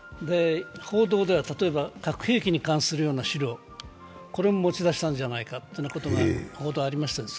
報道では、例えば核兵器に関するような資料も持ち出したんじゃないかという報道もありました。